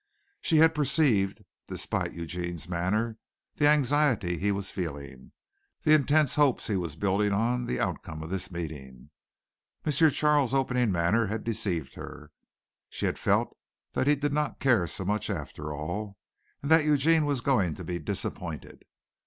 She had perceived, despite Eugene's manner, the anxiety he was feeling, the intense hopes he was building on the outcome of this meeting. M. Charles' opening manner had deceived her. She had felt that he did not care so much after all, and that Eugene was going to be disappointed.